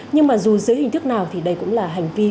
nhưng mà dù dưới hình thức nào thì đây cũng là hành vi